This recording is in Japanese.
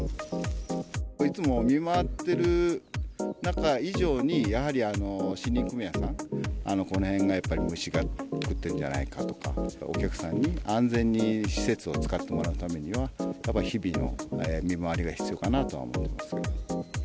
いつも見回っている以上に、やはり森林組合さん、この辺がやっぱり、虫が食ってるんじゃないかとか、お客さんに安全に施設を使ってもらうためには、やっぱ日々の見回りが必要かなと思ってますけど。